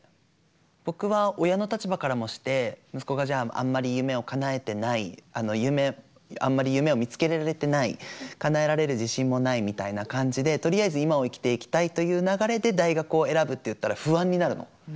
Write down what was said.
僕は親の立場からもして息子がじゃああんまり夢をかなえてないあんまり夢を見つけられてないかなえられる自信もないみたいな感じでとりあえず今を生きていきたいという流れで大学を選ぶって言ったら不安になるの。